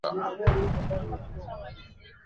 au kikabila nchini Uganda nao ulidhoofisha lugha